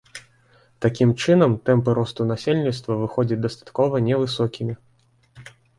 Такім чынам, тэмпы росту насельніцтва выходзяць дастаткова невысокімі.